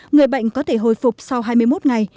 người bệnh có thể hồi phục sau hai mươi một ngày